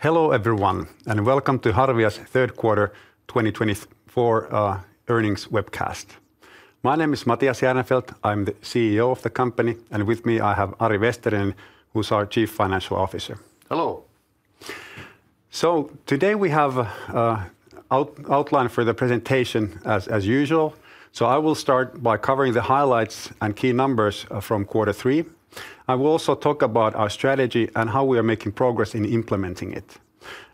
Hello everyone, and welcome to Harvia's third quarter 2024 earnings webcast. My name is Matias Järnefelt. I'm the CEO of the company, and with me I have Ari Vesterinen, who's our Chief Financial Officer. Hello. Today we have an outline for the presentation, as usual. So I will start by covering the highlights and key numbers from quarter three. I will also talk about our strategy and how we are making progress in implementing it.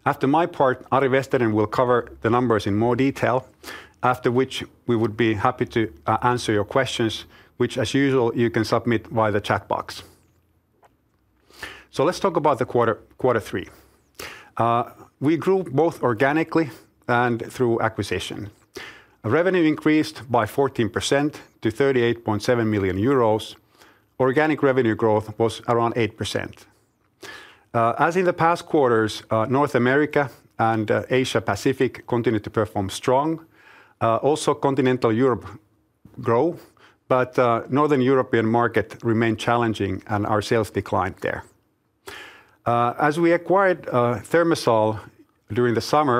After my part, Ari Vesterinen will cover the numbers in more detail, after which we would be happy to answer your questions, which, as usual, you can submit via the chat box. So let's talk about quarter three. We grew both organically and through acquisition. Revenue increased by 14% to 38.7 million euros. Organic revenue growth was around 8%. As in the past quarters, North America and Asia-Pacific continued to perform strong. Also, Continental Europe grew, but the Northern European market remained challenging, and our sales declined there. As we acquired ThermaSol during the summer,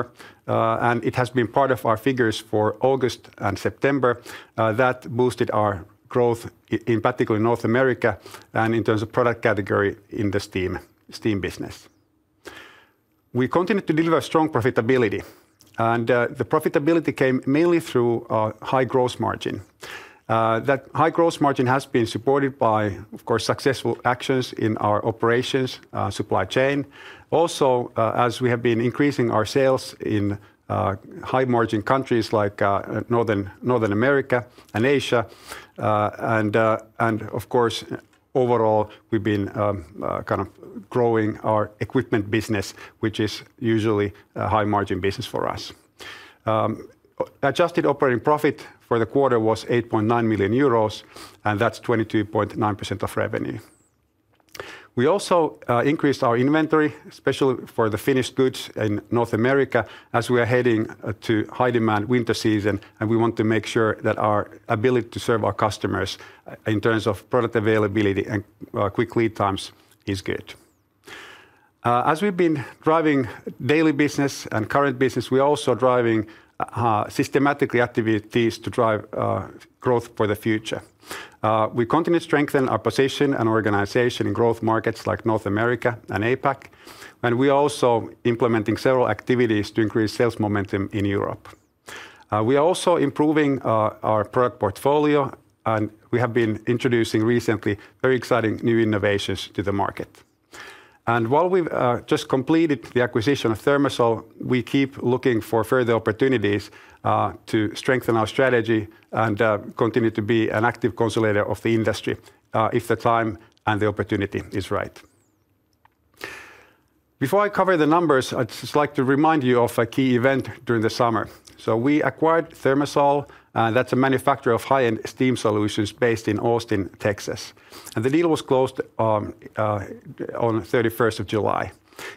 and it has been part of our figures for August and September, that boosted our growth, in particular in North America and in terms of product category in the steam business. We continued to deliver strong profitability, and the profitability came mainly through a high gross margin. That high gross margin has been supported by, of course, successful actions in our operations, supply chain. Also, as we have been increasing our sales in high-margin countries like North America and Asia, and of course, overall, we've been kind of growing our equipment business, which is usually a high-margin business for us. Adjusted operating profit for the quarter was 8.9 million euros, and that's 22.9% of revenue. We also increased our inventory, especially for the finished goods in North America, as we are heading to high-demand winter season, and we want to make sure that our ability to serve our customers in terms of product availability and quick lead times is good. As we've been driving daily business and current business, we are also driving systematic activities to drive growth for the future. We continue to strengthen our position and organization in growth markets like North America and APAC, and we are also implementing several activities to increase sales momentum in Europe. We are also improving our product portfolio, and we have been introducing recently very exciting new innovations to the market. While we've just completed the acquisition of ThermaSol, we keep looking for further opportunities to strengthen our strategy and continue to be an active consolidator of the industry if the time and the opportunity is right. Before I cover the numbers, I'd just like to remind you of a key event during the summer. We acquired ThermaSol, and that's a manufacturer of high-end steam solutions based in Austin, Texas. The deal was closed on the 31st of July.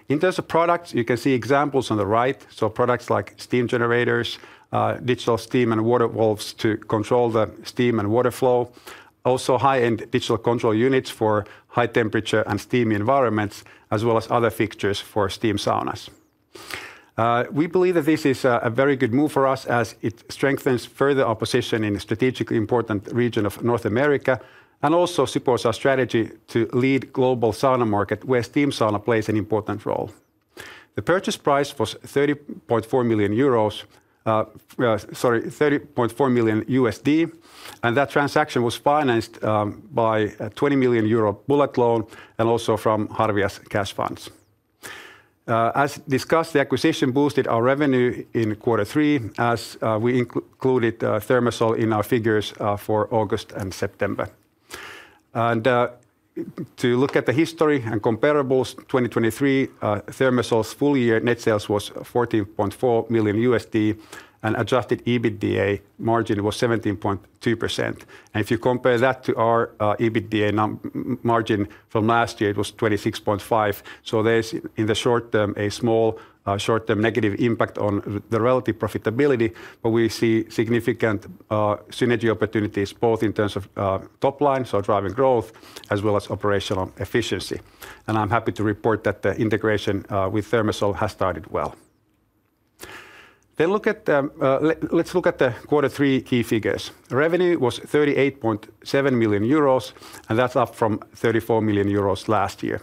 In terms of products, you can see examples on the right. Products like steam generators, digital steam and water valves to control the steam and water flow, also high-end digital control units for high temperature and steam environments, as well as other fixtures for steam saunas. We believe that this is a very good move for us, as it strengthens further our position in the strategically important region of North America and also supports our strategy to lead the global sauna market, where steam sauna plays an important role. The purchase price was 30.4 million euros, sorry, $30.4 million, and that transaction was financed by a 20 million euro bullet loan and also from Harvia's cash funds. As discussed, the acquisition boosted our revenue in quarter three, as we included ThermaSol in our figures for August and September. To look at the history and comparables, 2023, ThermaSol's full year net sales was $14.4 million, and Adjusted EBITDA margin was 17.2%. If you compare that to our EBITDA margin from last year, it was 26.5%. So there's in the short term a small short-term negative impact on the relative profitability, but we see significant synergy opportunities, both in terms of top line, so driving growth, as well as operational efficiency. And I'm happy to report that the integration with ThermaSol has started well. Then let's look at the quarter three key figures. Revenue was 38.7 million euros, and that's up from 34 million euros last year.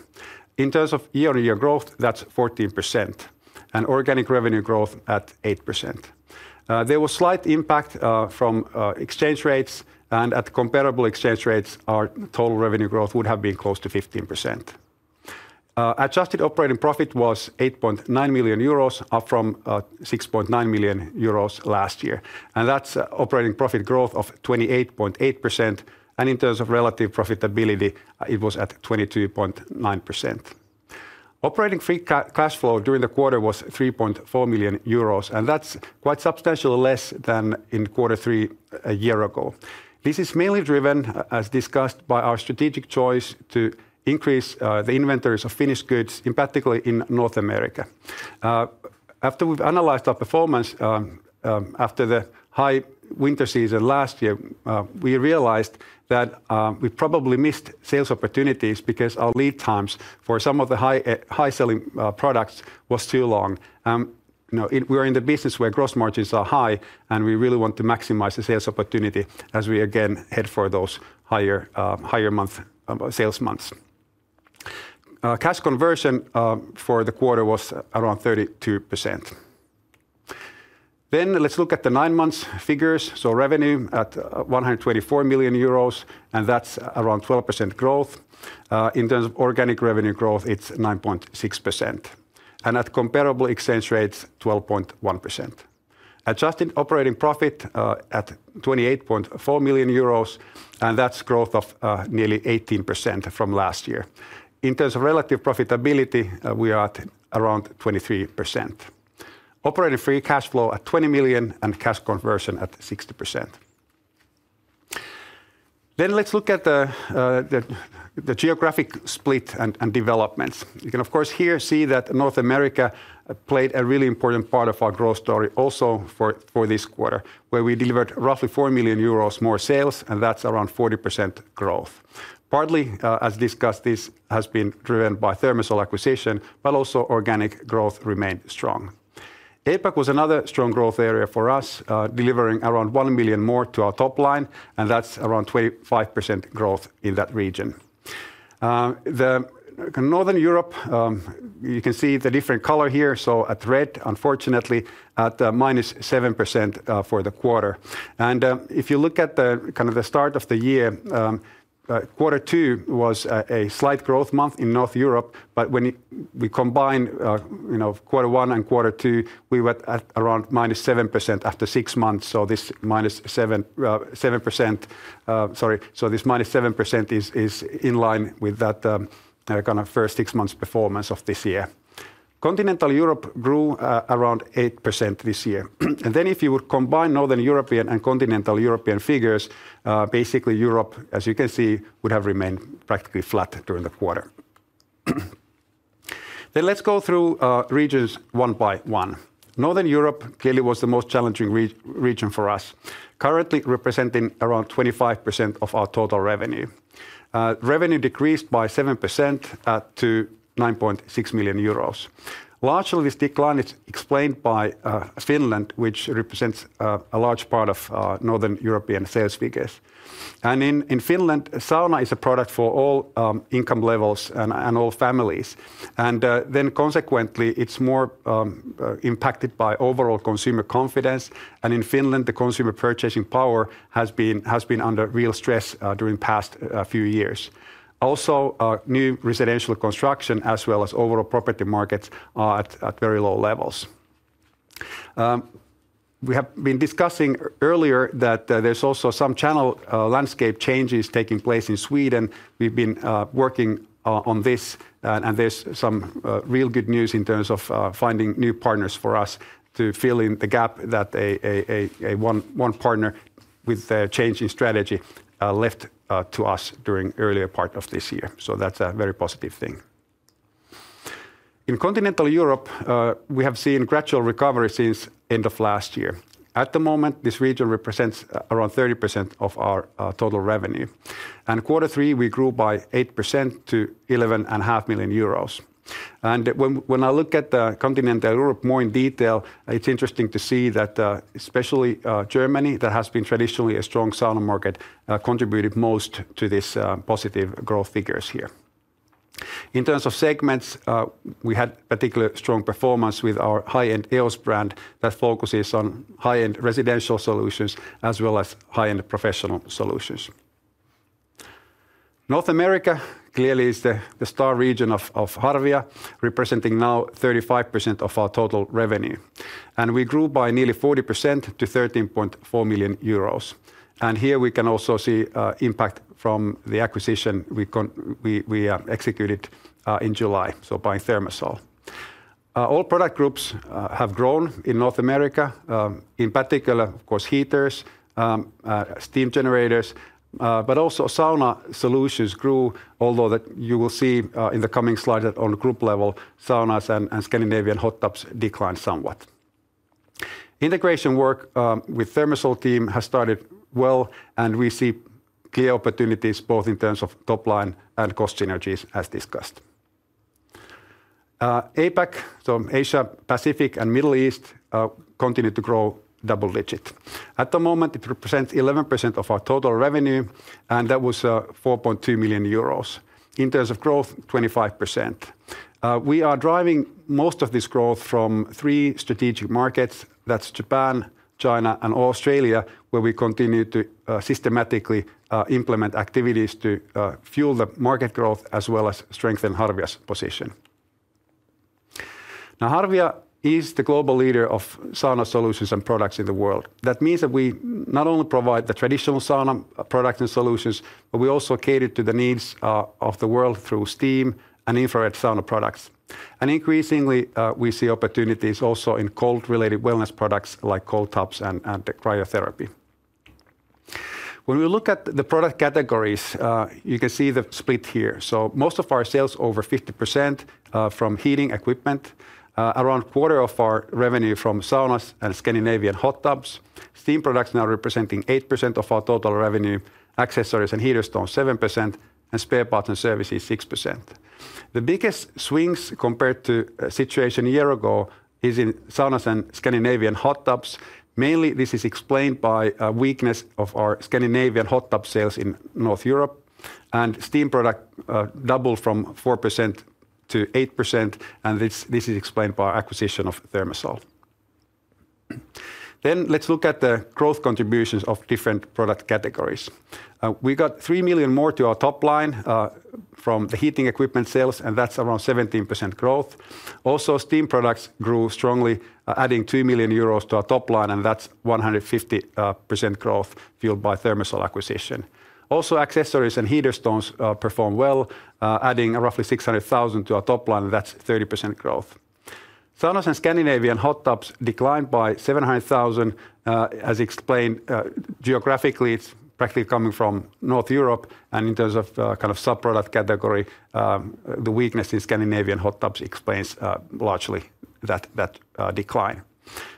In terms of year-on-year growth, that's 14%, and organic revenue growth at 8%. There was slight impact from exchange rates, and at comparable exchange rates, our total revenue growth would have been close to 15%. Adjusted operating profit was 8.9 million euros, up from 6.9 million euros last year. And that's operating profit growth of 28.8%. And in terms of relative profitability, it was at 22.9%. Operating free cash flow during the quarter was 3.4 million euros, and that's quite substantially less than in quarter three a year ago. This is mainly driven, as discussed, by our strategic choice to increase the inventories of finished goods, in particular in North America. After we've analyzed our performance after the high winter season last year, we realized that we probably missed sales opportunities because our lead times for some of the high-selling products were too long. We are in the business where gross margins are high, and we really want to maximize the sales opportunity as we again head for those higher sales months. Cash conversion for the quarter was around 32%. Then let's look at the nine-month figures. So revenue at 124 million euros, and that's around 12% growth. In terms of organic revenue growth, it's 9.6% and at comparable exchange rates, 12.1%. Adjusted operating profit at 28.4 million euros, and that's growth of nearly 18% from last year. In terms of relative profitability, we are at around 23%. Operating free cash flow at 20 million and cash conversion at 60%. Then let's look at the geographic split and developments. You can, of course, here see that North America played a really important part of our growth story also for this quarter, where we delivered roughly 4 million euros more sales, and that's around 40% growth. Partly, as discussed, this has been driven by ThermaSol acquisition, but also organic growth remained strong. APAC was another strong growth area for us, delivering around 1 million more to our top line, and that's around 25% growth in that region. Northern Europe, you can see the different color here, so at red, unfortunately, at -7% for the quarter. If you look at the kind of the start of the year, quarter two was a slight growth month in Northern Europe, but when we combine quarter one and quarter two, we were at around -7% after six months. So this -7%, sorry, so this -7% is in line with that kind of first six months' performance of this year. Continental Europe grew around 8% this year. If you would combine Northern European and continental European figures, basically Europe, as you can see, would have remained practically flat during the quarter. Let's go through regions one by one. Northern Europe clearly was the most challenging region for us, currently representing around 25% of our total revenue. Revenue decreased by 7% to 9.6 million euros. Largely this decline is explained by Finland, which represents a large part of Northern European sales figures. And in Finland, sauna is a product for all income levels and all families. And then consequently, it's more impacted by overall consumer confidence, and in Finland, the consumer purchasing power has been under real stress during the past few years. Also, new residential construction, as well as overall property markets, are at very low levels. We have been discussing earlier that there's also some channel landscape changes taking place in Sweden. We've been working on this, and there's some real good news in terms of finding new partners for us to fill in the gap that one partner with the change in strategy left to us during the earlier part of this year. So that's a very positive thing. In Continental Europe, we have seen gradual recovery since the end of last year. At the moment, this region represents around 30% of our total revenue. And quarter three, we grew by 8% to 11.5 million euros. And when I look at the Continental Europe more in detail, it's interesting to see that especially Germany, that has been traditionally a strong sauna market, contributed most to these positive growth figures here. In terms of segments, we had particularly strong performance with our high-end EOS brand that focuses on high-end residential solutions as well as high-end professional solutions. North America clearly is the star region of Harvia, representing now 35% of our total revenue. And we grew by nearly 40% to 13.4 million euros. And here we can also see the impact from the acquisition we executed in July, so buying ThermaSol. All product groups have grown in North America, in particular, of course, heaters, steam generators, but also sauna solutions grew, although you will see in the coming slides that on group level, saunas and Scandinavian hot tubs declined somewhat. Integration work with ThermaSol team has started well, and we see clear opportunities both in terms of top line and cost synergies, as discussed. APAC, so Asia, Pacific, and Middle East continue to grow double-digit. At the moment, it represents 11% of our total revenue, and that was 4.2 million euros. In terms of growth, 25%. We are driving most of this growth from three strategic markets. That's Japan, China, and Australia, where we continue to systematically implement activities to fuel the market growth as well as strengthen Harvia's position. Now, Harvia is the global leader of sauna solutions and products in the world. That means that we not only provide the traditional sauna products and solutions, but we also cater to the needs of the world through steam and infrared sauna products. And increasingly, we see opportunities also in cold-related wellness products like cold tubs and cryotherapy. When we look at the product categories, you can see the split here. So most of our sales are over 50% from heating equipment, around a quarter of our revenue from saunas and Scandinavian hot tubs. Steam products now representing 8% of our total revenue, accessories and heater stones 7%, and spare parts and services 6%. The biggest swings compared to the situation a year ago is in saunas and Scandinavian hot tubs. Mainly, this is explained by the weakness of our Scandinavian hot tub sales in Northern Europe, and steam products doubled from 4%-8%, and this is explained by our acquisition of ThermaSol. Then let's look at the growth contributions of different product categories. We got 3 million more to our top line from the heating equipment sales, and that's around 17% growth. Also, steam products grew strongly, adding 2 million euros to our top line, and that's 150% growth fueled by ThermaSol acquisition. Also, accessories and heater stones performed well, adding roughly 600,000 to our top line, and that's 30% growth. Saunas and Scandinavian hot tubs declined by 700,000, as explained geographically. It's practically coming from Northern Europe, and in terms of kind of sub-product category, the weakness in Scandinavian hot tubs explains largely that decline.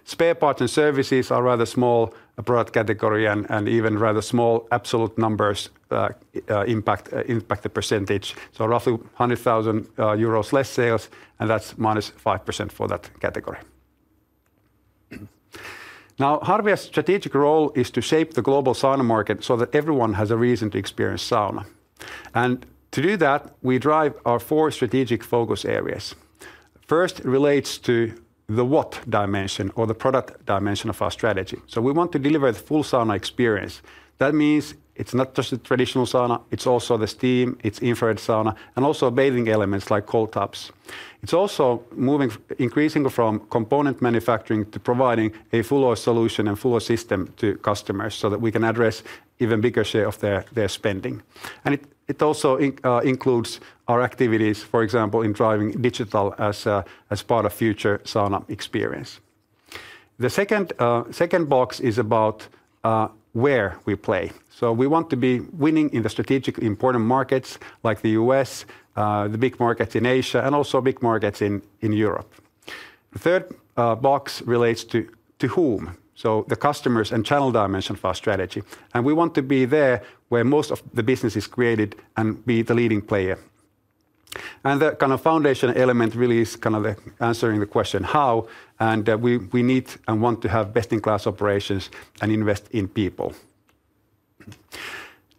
Spare parts and services are a rather small product category, and even rather small absolute numbers impact the percentage. So roughly 100,000 euros less sales, and that's -5% for that category. Now, Harvia's strategic role is to shape the global sauna market so that everyone has a reason to experience sauna. And to do that, we drive our four strategic focus areas. First relates to the what dimension or the product dimension of our strategy. So we want to deliver the full sauna experience. That means it's not just a traditional sauna, it's also the steam, it's infrared sauna, and also bathing elements like cold tubs. It's also moving, increasing from component manufacturing to providing a full-scale solution and full-scale system to customers so that we can address an even bigger share of their spending. And it also includes our activities, for example, in driving digital as part of future sauna experience. The second box is about where we play. So we want to be winning in the strategically important markets like the U.S., the big markets in Asia, and also big markets in Europe. The third box relates to whom, so the customers and channel dimension of our strategy. And we want to be there where most of the business is created and be the leading player. And the kind of foundation element really is kind of the answering the question how, and we need and want to have best-in-class operations and invest in people.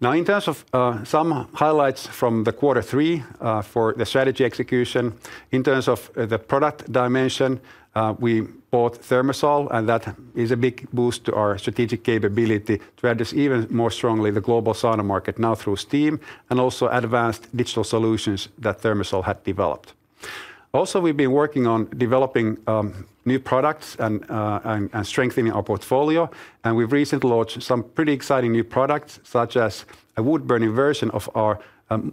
Now, in terms of some highlights from the quarter three for the strategy execution, in terms of the product dimension, we bought ThermaSol, and that is a big boost to our strategic capability to address even more strongly the global sauna market now through steam and also advanced digital solutions that ThermaSol had developed. Also, we've been working on developing new products and strengthening our portfolio, and we've recently launched some pretty exciting new products, such as a wood-burning version of our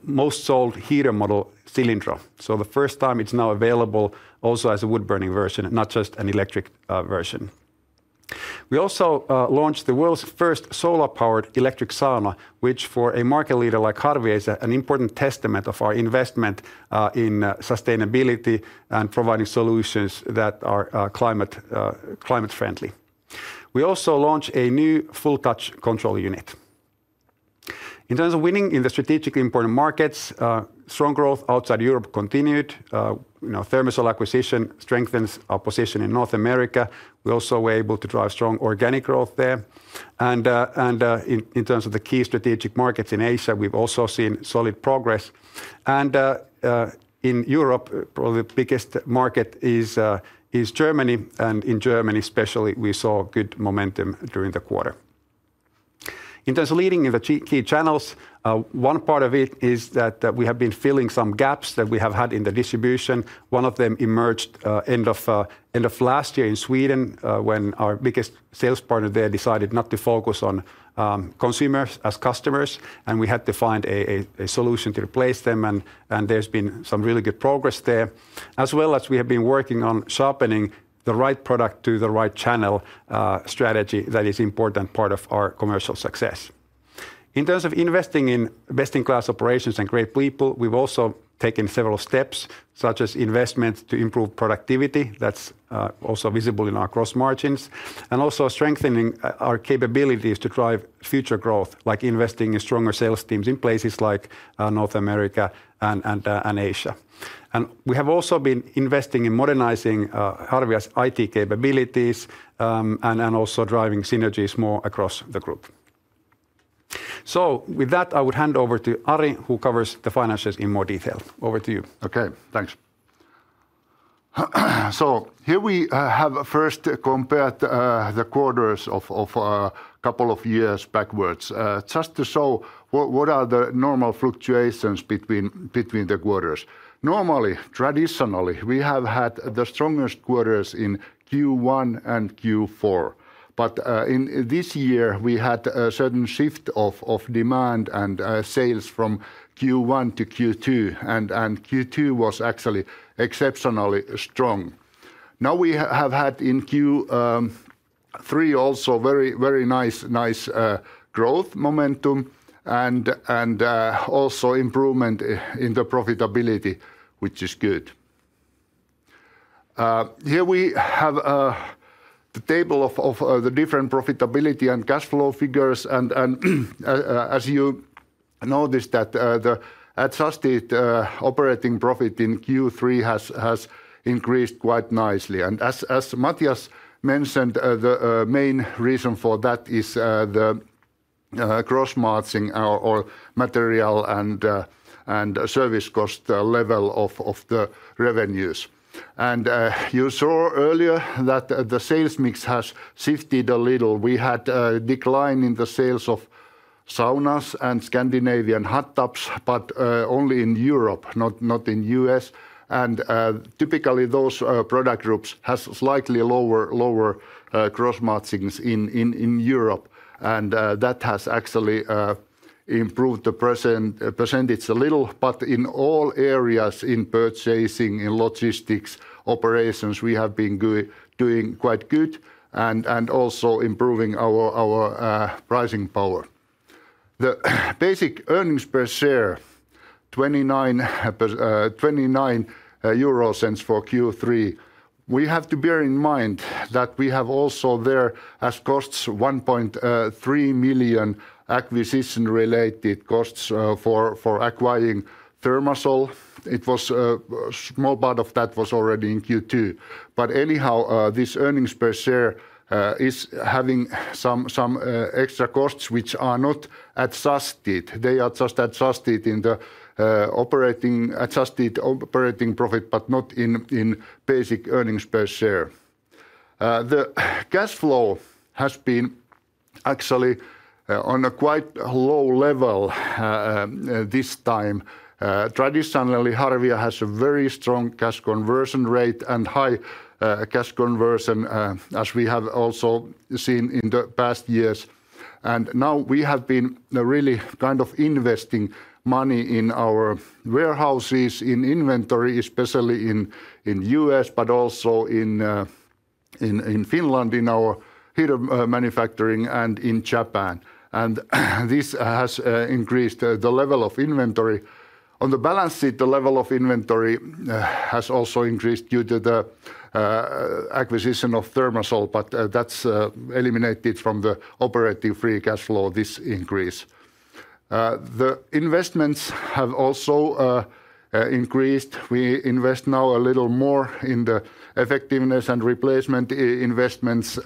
most-sold heater model, Cilindro. So the first time it's now available also as a wood-burning version, not just an electric version. We also launched the world's first solar-powered electric sauna, which for a market leader like Harvia is an important testament of our investment in sustainability and providing solutions that are climate-friendly. We also launched a new full-touch control unit. In terms of winning in the strategically important markets, strong growth outside Europe continued. ThermaSol acquisition strengthens our position in North America. We also were able to drive strong organic growth there. And in terms of the key strategic markets in Asia, we've also seen solid progress. In Europe, probably the biggest market is Germany, and in Germany especially, we saw good momentum during the quarter. In terms of leading in the key channels, one part of it is that we have been filling some gaps that we have had in the distribution. One of them emerged end of last year in Sweden when our biggest sales partner there decided not to focus on consumers as customers, and we had to find a solution to replace them, and there's been some really good progress there. As well as we have been working on sharpening the right product to the right channel strategy that is an important part of our commercial success. In terms of investing in best-in-class operations and great people, we've also taken several steps, such as investment to improve productivity. That's also visible in our gross margins. And also strengthening our capabilities to drive future growth, like investing in stronger sales teams in places like North America and Asia. And we have also been investing in modernizing Harvia's IT capabilities and also driving synergies more across the group. So with that, I would hand over to Ari, who covers the finances in more detail. Over to you. Okay, thanks. So here we have first compared the quarters of a couple of years backwards, just to show what are the normal fluctuations between the quarters. Normally, traditionally, we have had the strongest quarters in Q1 and Q4. But in this year, we had a certain shift of demand and sales from Q1-Q2, and Q2 was actually exceptionally strong. Now we have had in Q3 also very, very nice growth momentum and also improvement in the profitability, which is good. Here we have the table of the different profitability and cash flow figures, and as you noticed that the adjusted operating profit in Q3 has increased quite nicely. And as Matias mentioned, the main reason for that is the gross margin or material and service cost level of the revenues. And you saw earlier that the sales mix has shifted a little. We had a decline in the sales of saunas and Scandinavian hot tubs, but only in Europe, not in the U.S. And typically, those product groups have slightly lower gross margins in Europe, and that has actually improved the percentage a little. But in all areas, in purchasing, in logistics, operations, we have been doing quite good and also improving our pricing power. The basic earnings per share, 0.29 for Q3. We have to bear in mind that we have also there as costs 1.3 million acquisition-related costs for acquiring ThermaSol. A small part of that was already in Q2. But anyhow, this earnings per share is having some extra costs which are not adjusted. They are just adjusted in the operating profit, but not in basic earnings per share. The cash flow has been actually on a quite low level this time. Traditionally, Harvia has a very strong cash conversion rate and high cash conversion, as we have also seen in the past years. And now we have been really kind of investing money in our warehouses, in inventory, especially in the US, but also in Finland in our heater manufacturing and in Japan. And this has increased the level of inventory. On the balance sheet, the level of inventory has also increased due to the acquisition of ThermaSol, but that's eliminated from the operating free cash flow, this increase. The investments have also increased. We invest now a little more in the effectiveness and replacement investments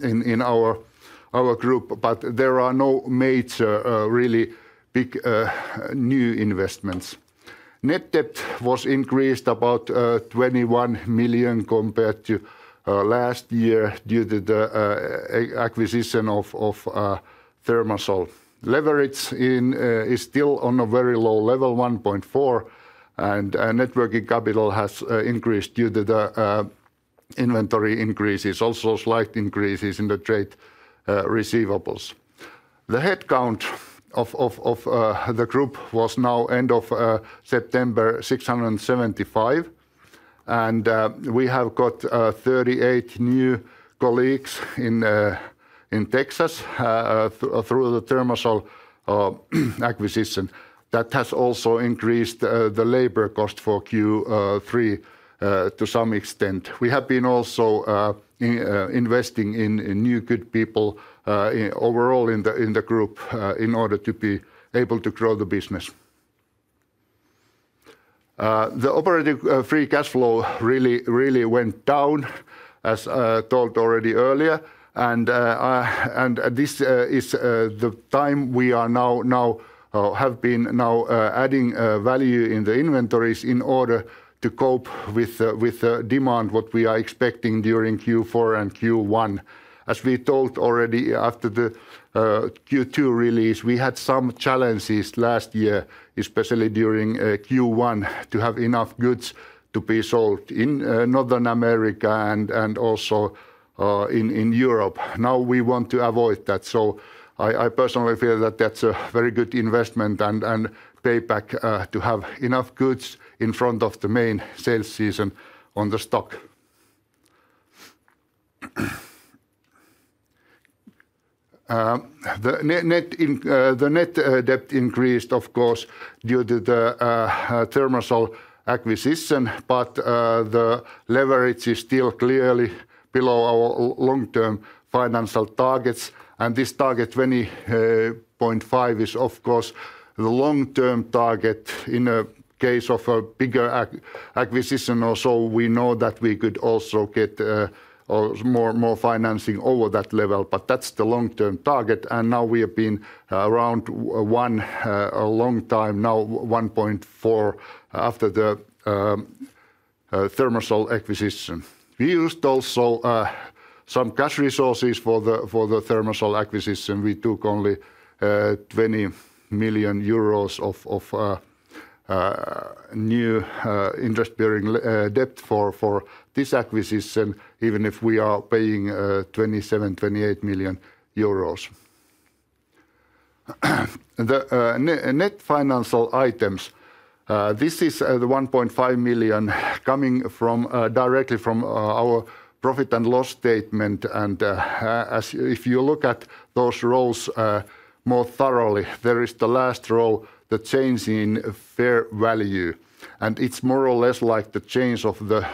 in our group, but there are no major really big new investments. Net debt was increased about 21 million compared to last year due to the acquisition of ThermaSol. Leverage is still on a very low level, 1.4, and net working capital has increased due to the inventory increases, also slight increases in the trade receivables. The headcount of the group was now end of September 675, and we have got 38 new colleagues in Texas through the ThermaSol acquisition. That has also increased the labor cost for Q3 to some extent. We have been also investing in new good people overall in the group in order to be able to grow the business. The operating free cash flow really went down, as told already earlier, and this is the time we have now been adding value in the inventories in order to cope with the demand what we are expecting during Q4 and Q1. As we told already after the Q2 release, we had some challenges last year, especially during Q1 to have enough goods to be sold in North America and also in Europe. Now we want to avoid that. I personally feel that that's a very good investment and payback to have enough goods in front of the main sales season on the stock. The net debt increased, of course, due to the ThermaSol acquisition, but the leverage is still clearly below our long-term financial targets, and this target 2.5 is, of course, the long-term target in the case of a bigger acquisition. Also, we know that we could also get more financing over that level, but that's the long-term target, and now we have been around one a long time, now 1.4 after the ThermaSol acquisition. We used also some cash resources for the ThermaSol acquisition. We took only 20 million euros of new interest-bearing debt for this acquisition, even if we are paying 27 million-28 million euros. The net financial items, this is the 1.5 million coming directly from our profit and loss statement, and if you look at those rows more thoroughly, there is the last row, the change in fair value, and it's more or less like the change of the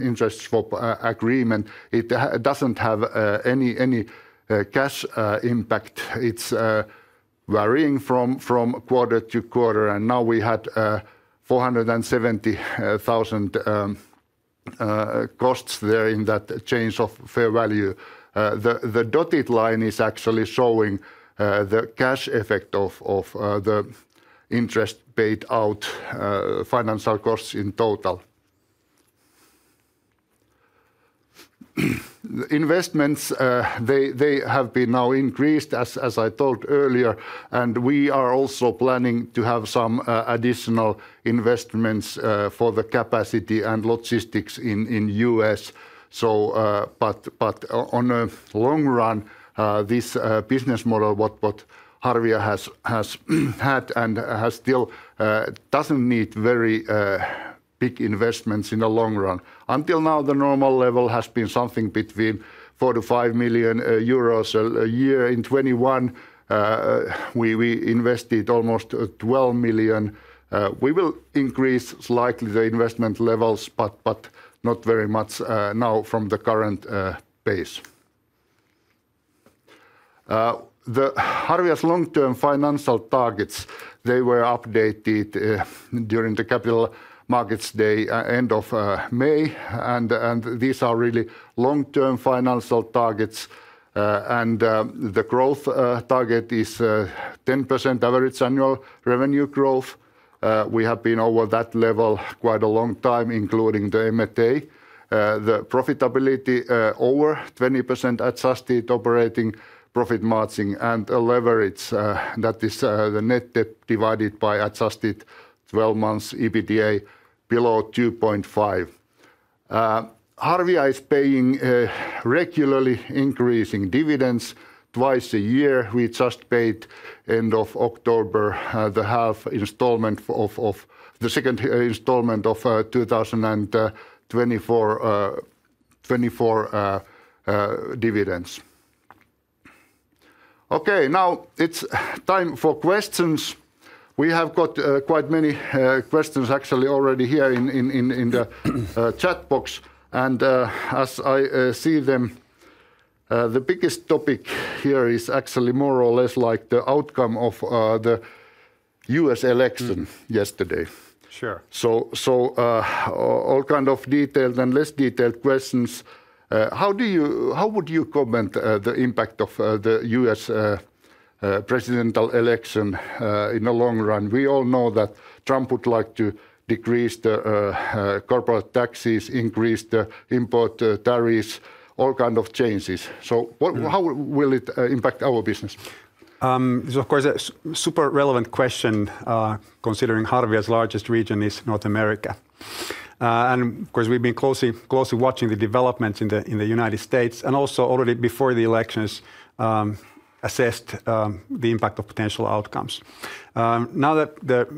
interest swap agreement. It doesn't have any cash impact. It's varying from quarter to quarter, and now we had 470,000 costs there in that change of fair value. The dotted line is actually showing the cash effect of the interest paid out financial costs in total. Investments, they have been now increased, as I told earlier, and we are also planning to have some additional investments for the capacity and logistics in the U.S. But on the long run, this business model what Harvia has had and still doesn't need very big investments in the long run. Until now, the normal level has been something between 4 million-5 million euros a year. In 2021, we invested almost 12 million. We will increase slightly the investment levels, but not very much now from the current base. Harvia's long-term financial targets, they were updated during the Capital Markets Day end of May, and these are really long-term financial targets, and the growth target is 10% average annual revenue growth. We have been over that level quite a long time, including the EBITDA. The profitability over 20% adjusted operating profit margin and leverage, that is the net debt divided by adjusted 12-month EBITDA below 2.5. Harvia is paying regularly increasing dividends twice a year. We just paid end of October the half installment of the second installment of 2024 dividends. Okay, now it's time for questions. We have got quite many questions actually already here in the chat box, and as I see them, the biggest topic here is actually more or less like the outcome of the U.S. election yesterday. Sure, so all kinds of detailed and less detailed questions. How would you comment on the impact of the U.S. presidential election in the long run? We all know that Trump would like to decrease the corporate taxes, increase the import tariffs, all kinds of changes, so how will it impact our business? This is, of course, a super relevant question considering Harvia's largest region is North America, and of course, we've been closely watching the developments in the United States and also already before the elections assessed the impact of potential outcomes. Now that the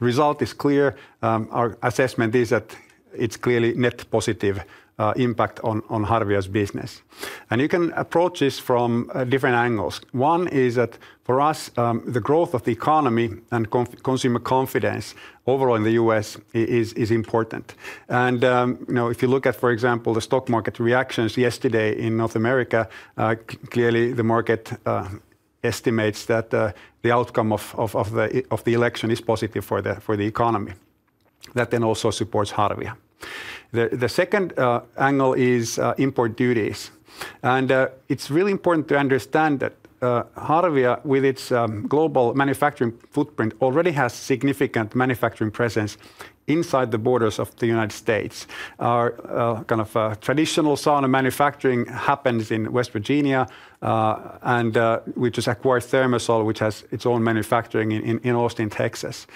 result is clear, our assessment is that it's clearly net positive impact on Harvia's business. You can approach this from different angles. One is that for us, the growth of the economy and consumer confidence overall in the U.S. is important. If you look at, for example, the stock market reactions yesterday in North America, clearly the market estimates that the outcome of the election is positive for the economy. That then also supports Harvia. The second angle is import duties. It's really important to understand that Harvia, with its global manufacturing footprint, already has significant manufacturing presence inside the borders of the United States. Our kind of traditional sauna manufacturing happens in West Virginia, and we just acquired ThermaSol, which has its own manufacturing in Austin, Texas.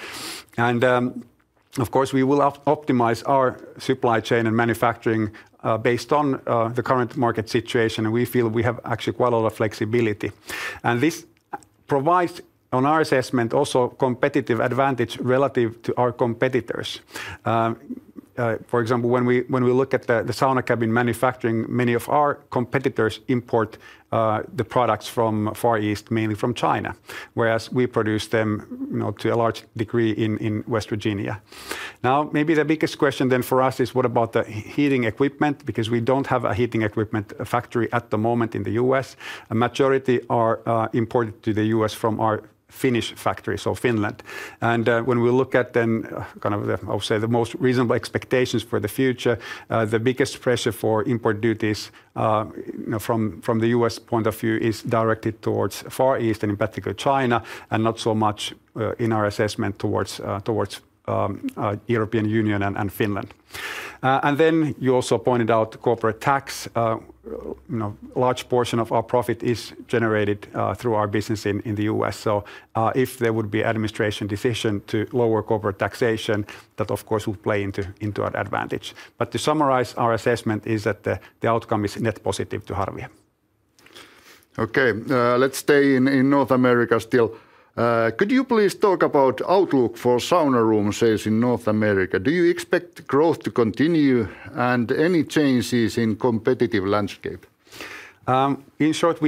Of course, we will optimize our supply chain and manufacturing based on the current market situation, and we feel we have actually quite a lot of flexibility. And this provides, on our assessment, also competitive advantage relative to our competitors. For example, when we look at the sauna cabin manufacturing, many of our competitors import the products from Far East, mainly from China, whereas we produce them to a large degree in West Virginia. Now, maybe the biggest question then for us is what about the heating equipment, because we don't have a heating equipment factory at the moment in the U.S. A majority are imported to the U.S. from our Finnish factories, so Finland. And when we look at then kind of, I would say, the most reasonable expectations for the future, the biggest pressure for import duties from the U.S. point of view is directed towards Far East and in particular China, and not so much in our assessment towards the European Union and Finland. And then you also pointed out corporate tax. A large portion of our profit is generated through our business in the US. So if there would be an administration decision to lower corporate taxation, that of course would play into our advantage. But to summarize, our assessment is that the outcome is net positive to Harvia. Okay, let's stay in North America still. Could you please talk about outlook for sauna room sales in North America? Do you expect growth to continue and any changes in competitive landscape? In short,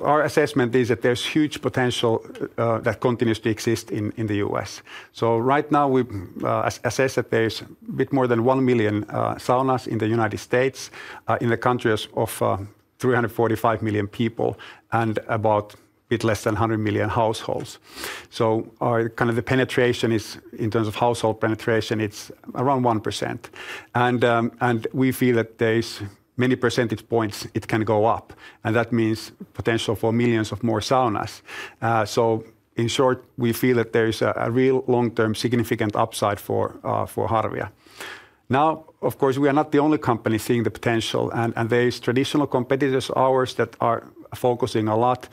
our assessment is that there's huge potential that continues to exist in the US. So right now, we assess that there's a bit more than one million saunas in the United States, a country of 345 million people and about a bit less than 100 million households. So kind of the penetration is in terms of household penetration, it's around 1%. We feel that there's many percentage points it can go up, and that means potential for millions of more saunas. In short, we feel that there is a real long-term significant upside for Harvia. Now, of course, we are not the only company seeing the potential, and there are traditional competitors of ours that are focusing a lot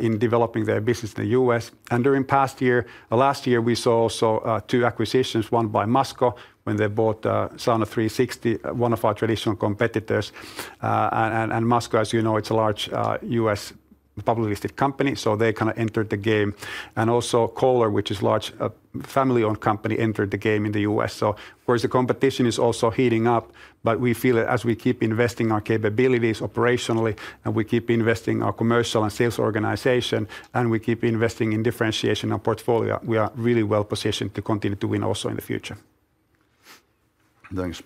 in developing their business in the U.S. During the past year, last year, we saw also two acquisitions, one by Masco when they bought Sauna360, one of our traditional competitors. Masco, as you know, it's a large U.S. public listed company, so they kind of entered the game. Also, Kohler, which is a large family-owned company, entered the game in the U.S. So of course, the competition is also heating up, but we feel that as we keep investing our capabilities operationally and we keep investing our commercial and sales organization and we keep investing in differentiation and portfolio, we are really well positioned to continue to win also in the future. Thanks.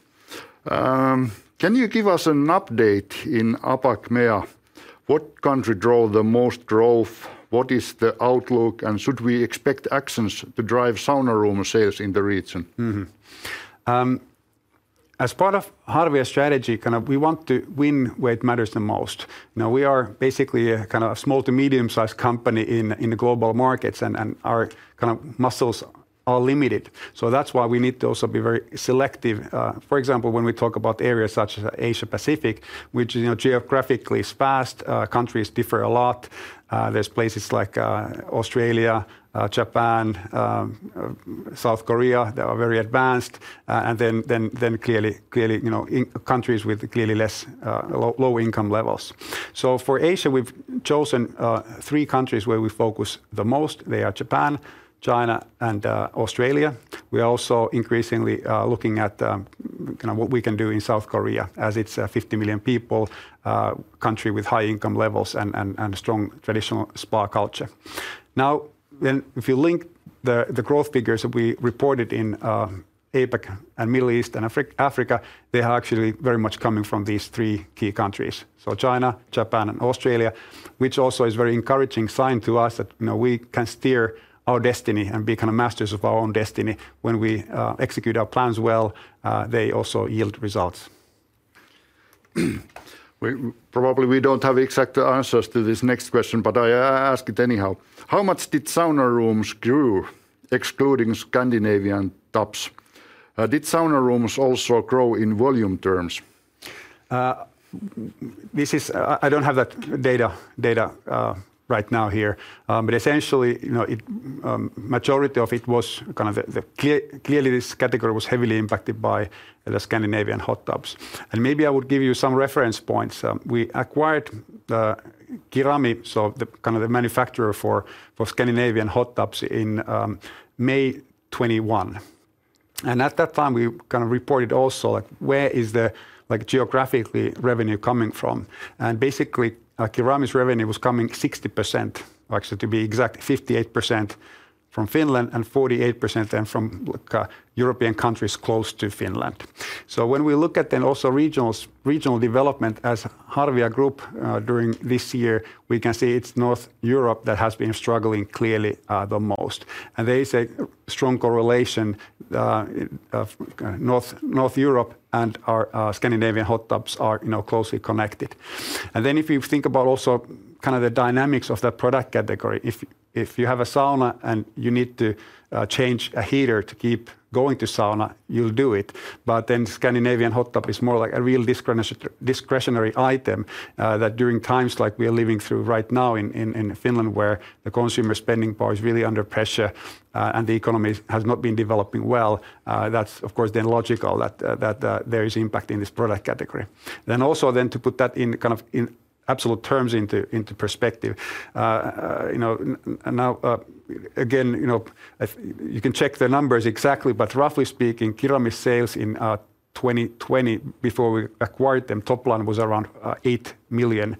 Can you give us an update in APAC, MEA? What country drove the most growth? What is the outlook, and should we expect actions to drive sauna room sales in the region? As part of Harvia's strategy, kind of we want to win where it matters the most. Now, we are basically kind of a small to medium-sized company in the global markets, and our kind of muscles are limited. So that's why we need to also be very selective. For example, when we talk about areas such as Asia-Pacific, which is geographically sparse, countries differ a lot. There's places like Australia, Japan, South Korea that are very advanced, and then clearly countries with clearly less low income levels. For Asia, we've chosen three countries where we focus the most. They are Japan, China, and Australia. We are also increasingly looking at kind of what we can do in South Korea, as it's a 50 million people country with high income levels and strong traditional spa culture. Now, then if you link the growth figures that we reported in APAC and Middle East and Africa, they are actually very much coming from these three key countries. So China, Japan, and Australia, which also is a very encouraging sign to us that we can steer our destiny and be kind of masters of our own destiny. When we execute our plans well, they also yield results. Probably we don't have exact answers to this next question, but I ask it anyhow. How much did sauna rooms grow, excluding Scandinavian tubs? Did sauna rooms also grow in volume terms? This is, I don't have that data right now here, but essentially the majority of it was kind of the clearly this category was heavily impacted by the Scandinavian hot tubs, and maybe I would give you some reference points. We acquired Kirami, so the kind of the manufacturer for Scandinavian hot tubs in May 2021, and at that time, we kind of reported also where the geographical revenue was coming from, basically Kirami's revenue was coming 60%, actually to be exact 58% from Finland and 48% then from European countries close to Finland. When we look at then also regional development at Harvia Group during this year, we can see it's Northern Europe that has been struggling clearly the most. And there is a strong correlation of Northern Europe and our Scandinavian hot tubs are closely connected. And then if you think about also kind of the dynamics of that product category, if you have a sauna and you need to change a heater to keep going to sauna, you'll do it. But then Scandinavian hot tub is more like a real discretionary item that during times like we are living through right now in Finland, where the consumer spending power is really under pressure and the economy has not been developing well, that's of course then logical that there is impact in this product category. Then also then to put that in kind of in absolute terms into perspective. Now, again, you can check the numbers exactly, but roughly speaking, Kirami's sales in 2020 before we acquired them, top line was around 8 million.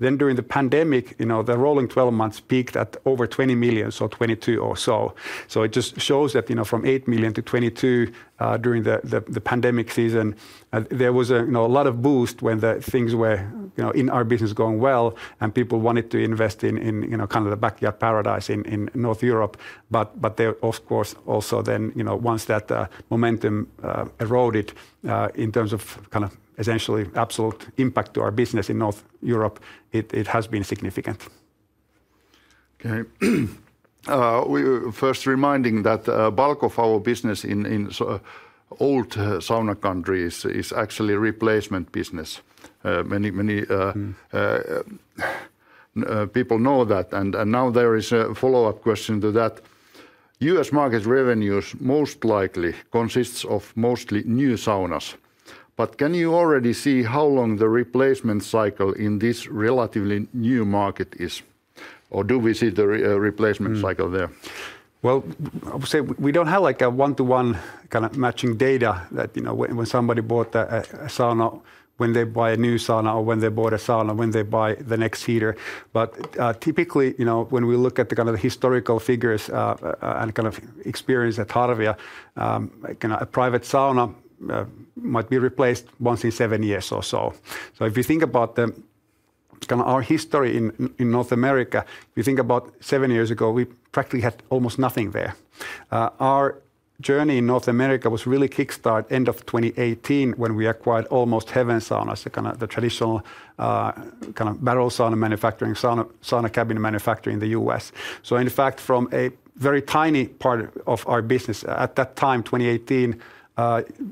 Then during the pandemic, the rolling 12 months peaked at over 20 million, so 22 million or so. So it just shows that from 8 million-22 million during the pandemic season, there was a lot of boost when things were in our business going well and people wanted to invest in kind of the backyard paradise in Northern Europe. But there of course also then once that momentum eroded in terms of kind of essentially absolute impact to our business in Northern Europe, it has been significant. Okay. First reminding that bulk of our business in old sauna countries is actually replacement business. Many people know that. And now there is a follow-up question to that. U.S. market revenues most likely consist of mostly new saunas. But can you already see how long the replacement cycle in this relatively new market is? Or do we see the replacement cycle there? Well, I would say we don't have like a one-to-one kind of matching data that when somebody bought a sauna, when they buy a new sauna or when they bought a sauna, when they buy the next heater. But typically, when we look at the kind of the historical figures and kind of experience at Harvia, kind of a private sauna might be replaced once in seven years or so. So if you think about kind of our history in North America, if you think about seven years ago, we practically had almost nothing there. Our journey in North America was really kick-started at the end of 2018 when we acquired Almost Heaven Saunas, the kind of the traditional kind of barrel sauna manufacturing, sauna cabin manufacturing in the US. So in fact, from a very tiny part of our business at that time, 2018,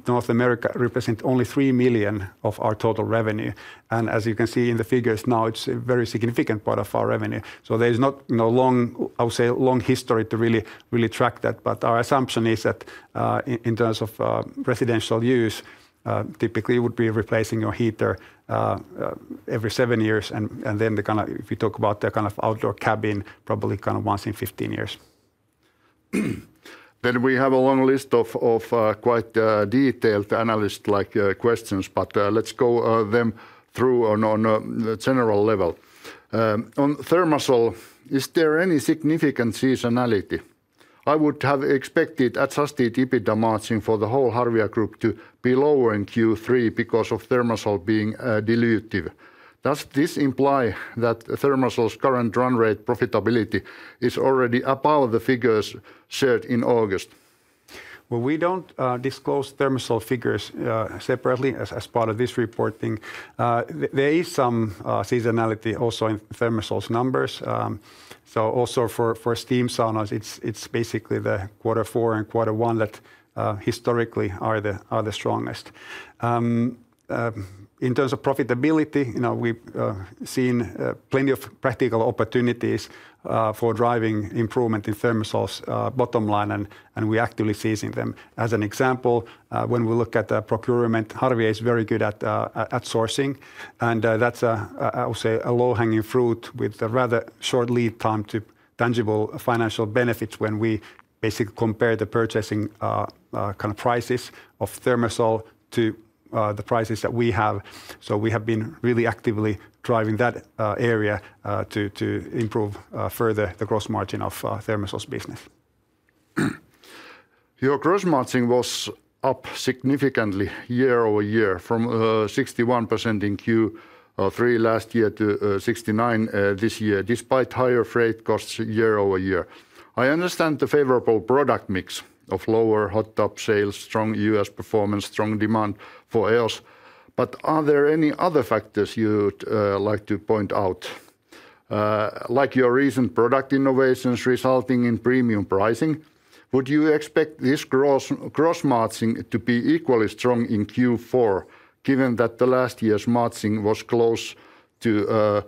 North America represented only three million of our total revenue. And as you can see in the figures now, it's a very significant part of our revenue. So there's not a long, I would say long history to really track that. But our assumption is that in terms of residential use, typically it would be replacing your heater every seven years. And then the kind of if you talk about the kind of outdoor cabin, probably kind of once in 15 years. Then we have a long list of quite detailed analyst-like questions, but let's go through them on a general level. On ThermaSol, is there any significant seasonality? I would have expected adjusted EBITDA margin for the whole Harvia Group to be lower in Q3 because of ThermaSol being dilutive. Does this imply that ThermaSol's current run rate profitability is already above the figures shared in August? Well, we don't disclose ThermaSol figures separately as part of this reporting. There is some seasonality also in ThermaSol's numbers. So also for steam saunas, it's basically the quarter four and quarter one that historically are the strongest. In terms of profitability, we've seen plenty of practical opportunities for driving improvement in ThermaSol's bottom line, and we're actively seizing them. As an example, when we look at procurement, Harvia is very good at outsourcing. And that's, I would say, a low-hanging fruit with a rather short lead time to tangible financial benefits when we basically compare the purchasing kind of prices of ThermaSol to the prices that we have. So we have been really actively driving that area to improve further the gross margin of ThermaSol's business. Your gross margin was up significantly year-over-year, from 61% in Q3 last year to 69% this year, despite higher freight costs year-over-year. I understand the favorable product mix of lower hot tub sales, strong U.S. performance, strong demand for heaters. But are there any other factors you'd like to point out, like your recent product innovations resulting in premium pricing? Would you expect this gross margin to be equally strong in Q4, given that the last year's margin was close to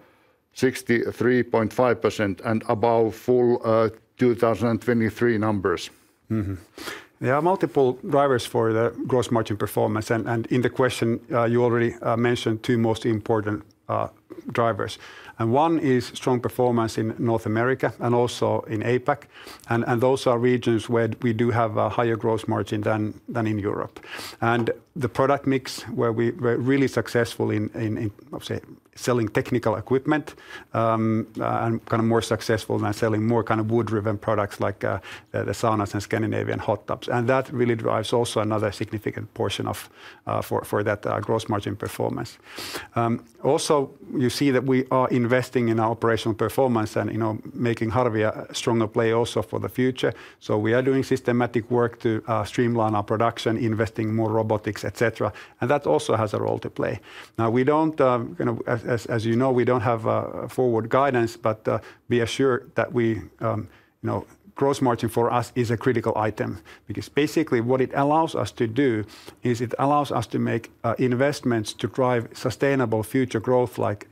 63.5% and above full 2023 numbers? There are multiple drivers for the gross margin performance, and in the question, you already mentioned two most important drivers, and one is strong performance in North America and also in APAC. And those are regions where we do have a higher gross margin than in Europe, and the product mix where we were really successful in selling technical equipment and kind of more successful than selling more kind of wood-driven products like the saunas and Scandinavian hot tubs, and that really drives also another significant portion for that gross margin performance. Also, you see that we are investing in our operational performance and making Harvia a stronger player also for the future, so we are doing systematic work to streamline our production, investing in more robotics, etc., and that also has a role to play. Now, we don't, as you know, we don't have forward guidance, but be assured that gross margin for us is a critical item because basically what it allows us to do is it allows us to make investments to drive sustainable future growth, like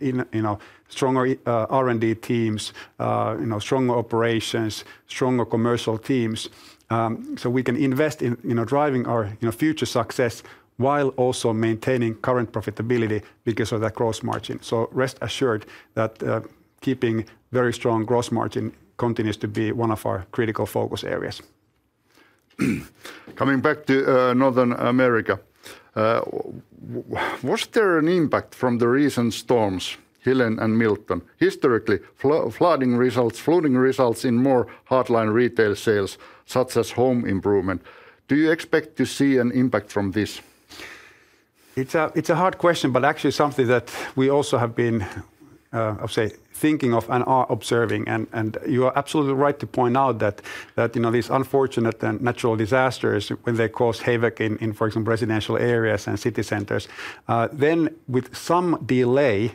stronger R&D teams, stronger operations, stronger commercial teams. So we can invest in driving our future success while also maintaining current profitability because of that gross margin. So rest assured that keeping very strong gross margin continues to be one of our critical focus areas. Coming back to North America, was there an impact from the recent storms, Helene and Milton? Historically, flooding results in more hardline retail sales such as home improvement. Do you expect to see an impact from this? It's a hard question, but actually something that we also have been, I would say, thinking of and are observing. You are absolutely right to point out that these unfortunate natural disasters, when they cause havoc in, for example, residential areas and city centers, then with some delay,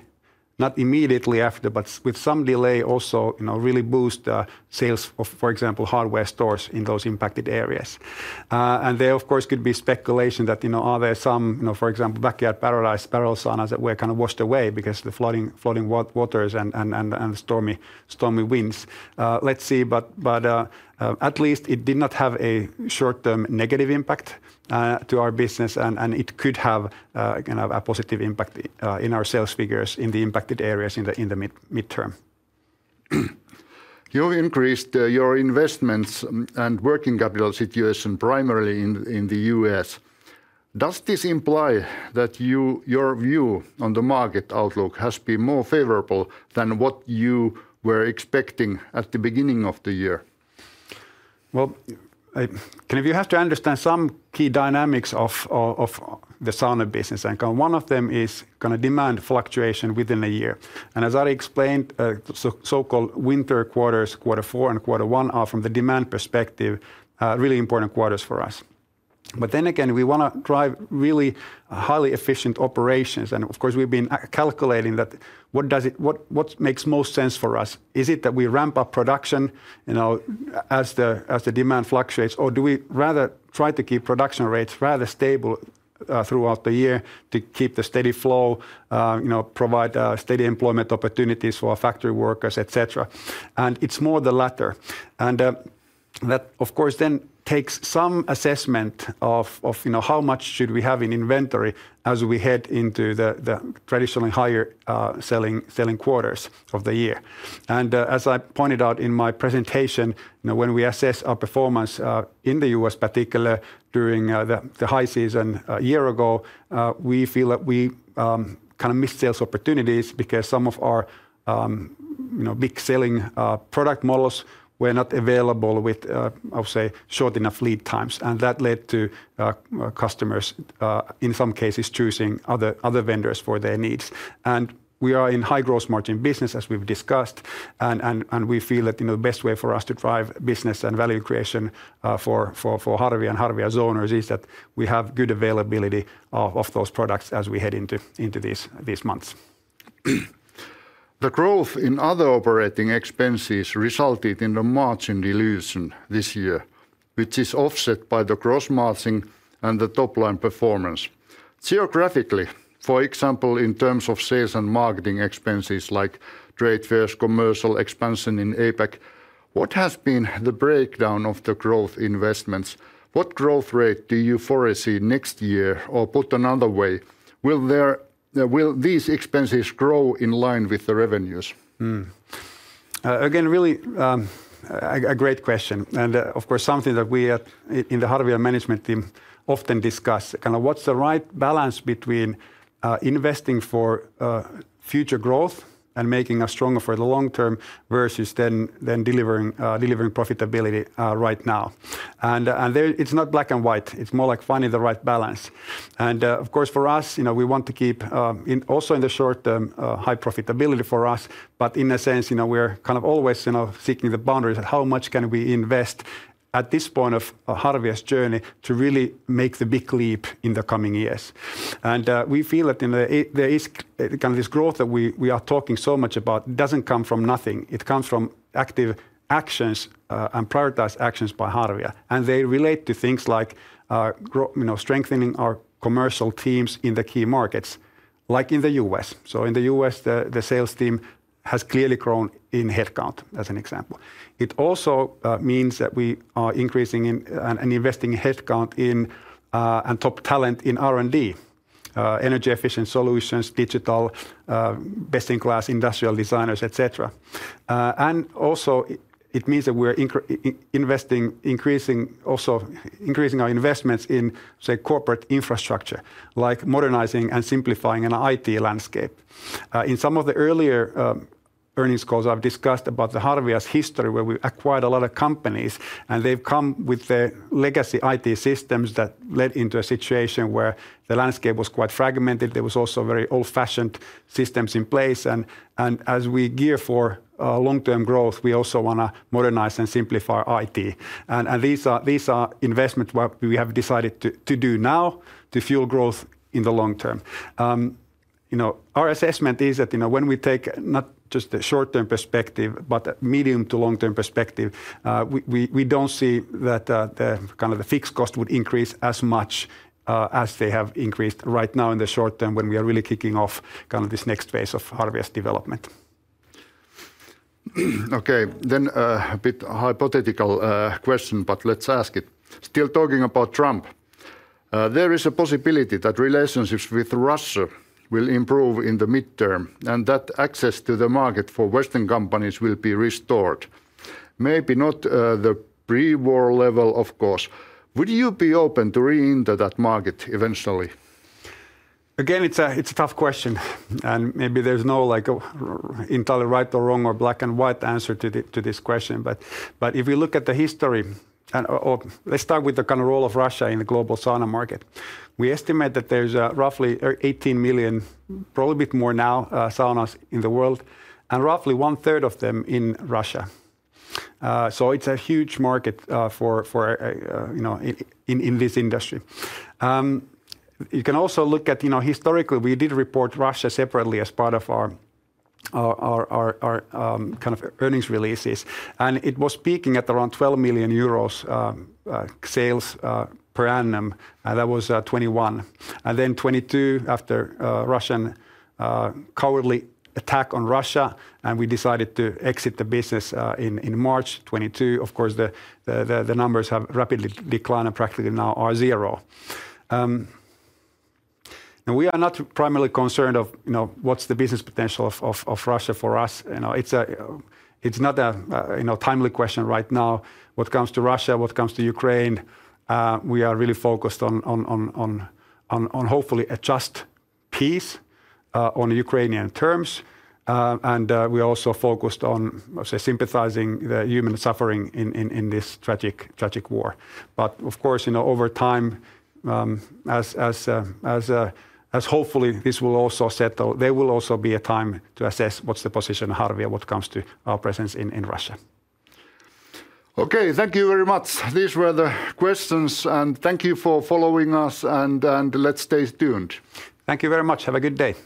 not immediately after, but with some delay also really boost the sales of, for example, hardware stores in those impacted areas. There of course could be speculation that are there some, for example, backyard paradise, barrel saunas that were kind of washed away because of the flooding waters and the stormy winds. Let's see but at least it did not have a short-term negative impact to our business, and it could have kind of a positive impact in our sales figures in the impacted areas in the midterm. You've increased your investments and working capital situation primarily in the U.S. Does this imply that your view on the market outlook has been more favorable than what you were expecting at the beginning of the year? You have to understand some key dynamics of the sauna business. One of them is kind of demand fluctuation within a year. As I explained, so-called winter quarters, quarter four and quarter one are from the demand perspective, really important quarters for us. We want to drive really highly efficient operations. Of course, we've been calculating that what makes most sense for us. Is it that we ramp up production as the demand fluctuates, or do we rather try to keep production rates rather stable throughout the year to keep the steady flow, provide steady employment opportunities for our factory workers, etc.? It's more the latter. And that of course then takes some assessment of how much should we have in inventory as we head into the traditionally higher selling quarters of the year. And as I pointed out in my presentation, when we assess our performance in the U.S., particularly during the high season a year ago, we feel that we kind of missed sales opportunities because some of our big selling product models were not available with, I would say, short enough lead times. And that led to customers in some cases choosing other vendors for their needs. And we are in high gross margin business, as we've discussed. And we feel that the best way for us to drive business and value creation for Harvia and Harvia's owners is that we have good availability of those products as we head into these months. The growth in other operating expenses resulted in a margin dilution this year, which is offset by the gross margin and the top line performance. Geographically, for example, in terms of sales and marketing expenses like trade fairs, commercial expansion in APAC, what has been the breakdown of the growth investments? What growth rate do you foresee next year? Or put another way, will these expenses grow in line with the revenues? Again, really a great question, and of course, something that we in the Harvia management team often discuss, kind of what's the right balance between investing for future growth and making a stronger for the long term versus then delivering profitability right now, and it's not black and white. It's more like finding the right balance, and of course, for us, we want to keep also in the short term high profitability for us. In a sense, we're kind of always seeking the boundaries at how much can we invest at this point of Harvia's journey to really make the big leap in the coming years. We feel that there is kind of this growth that we are talking so much about doesn't come from nothing. It comes from active actions and prioritized actions by Harvia. They relate to things like strengthening our commercial teams in the key markets, like in the U.S.. In the U.S., the sales team has clearly grown in headcount, as an example. It also means that we are increasing and investing in headcount and top talent in R&D, energy efficient solutions, digital, best in class industrial designers, etc. Also it means that we're increasing our investments in corporate infrastructure, like modernizing and simplifying an I.T. landscape. In some of the earlier earnings calls, I've discussed about the Harvia's history where we acquired a lot of companies and they've come with their legacy IT systems that led into a situation where the landscape was quite fragmented. There were also very old-fashioned systems in place, and as we gear for long-term growth, we also want to modernize and simplify IT, and these are investments we have decided to do now to fuel growth in the long term. Our assessment is that when we take not just the short-term perspective, but medium to long-term perspective, we don't see that kind of the fixed cost would increase as much as they have increased right now in the short term when we are really kicking off kind of this next phase of Harvia's development. Okay, then a bit hypothetical question, but let's ask it. Still talking about Trump, there is a possibility that relationships with Russia will improve in the midterm and that access to the market for Western companies will be restored. Maybe not the pre-war level, of course. Would you be open to re-enter that market eventually? Again, it's a tough question. And maybe there's no entirely right or wrong or black and white answer to this question. But if we look at the history, let's start with the kind of role of Russia in the global sauna market. We estimate that there's roughly 18 million, probably a bit more now, saunas in the world and roughly 1/3 of them in Russia. So it's a huge market in this industry. You can also look at historically, we did report Russia separately as part of our kind of earnings releases. And it was peaking at around 12 million euros sales per annum. That was 2021, and then 2022, after a Russian cowardly attack on Russia, and we decided to exit the business in March 2022. Of course, the numbers have rapidly declined and practically now are zero, and we are not primarily concerned of what's the business potential of Russia for us. It's not a timely question right now. When it comes to Russia, when it comes to Ukraine, we are really focused on hopefully a just peace on Ukrainian terms, and we're also focused on sympathizing with the human suffering in this tragic war, but of course, over time, hopefully this will also settle. There will also be a time to assess what's the position of Harvia, when it comes to our presence in Russia. Okay, thank you very much. These were the questions, and thank you for following us, and let's stay tuned. Thank you very much. Have a good day.